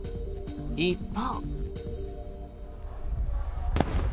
一方。